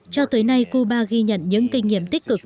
cho tới nay cuba ghi nhận những kinh nghiệm tích cực